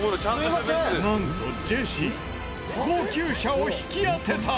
なんとジェシー高級車を引き当てた！